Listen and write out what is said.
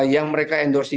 yang mereka endorse ini